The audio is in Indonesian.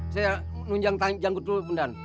saya nunjang tangi janggut dulu komandan